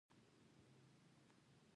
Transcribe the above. ښوونځی د روڼ سبا زېری راوړي